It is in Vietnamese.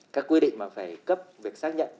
các quy định mà phải cấp việc xác nhận